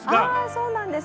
そうなんです。